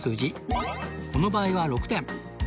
この場合は６点